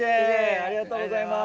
ありがとうございます。